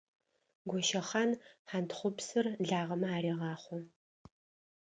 Гощэхъан хьантхъупсыр лагъэмэ арегъахъо.